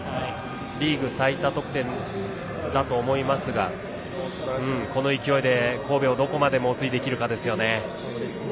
リーグ最多得点だと思いますがこの勢いで神戸をどこまで猛追できるかですね。